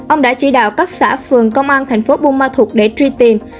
ông đã chỉ đạo các xã phường công an thành phố bumathut để truy tìm